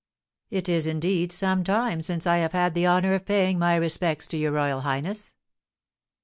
"It is, indeed, some time since I have had the honour of paying my respects to your royal highness."